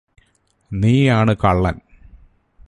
നീയാണു കള്ളന്